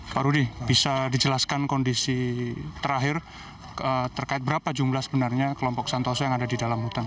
pak rudy bisa dijelaskan kondisi terakhir terkait berapa jumlah sebenarnya kelompok santoso yang ada di dalam hutan